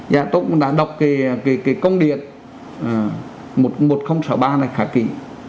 dạ tôi cũng đã đọc cái công điện một nghìn sáu mươi ba này khá kỳ